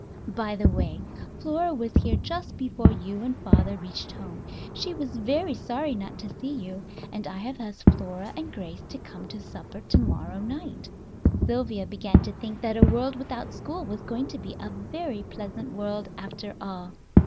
By the way, Flora was here just before you and your father reached home; she was very sorry not to see you, and I have asked Flora and Grace to come to supper to morrow night." Sylvia began to think that a world without school was going to be a very pleasant world after all.